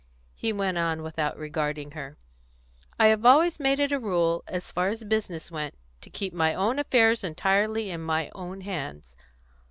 He went on, without regarding her: "I have always made it a rule, as far as business went, to keep my own affairs entirely in my own hands.